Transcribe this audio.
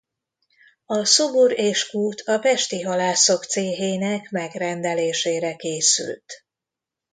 A szobor és kút a pesti halászok céhének megrendelésére készült.